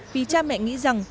vì cha mẹ nghĩ rằng